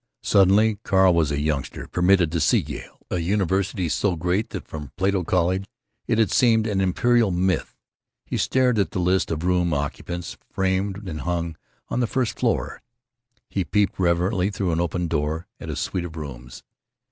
Suddenly Carl was a youngster, permitted to see Yale, a university so great that, from Plato College, it had seemed an imperial myth. He stared at the list of room occupants framed and hung on the first floor. He peeped reverently through an open door at a suite of rooms.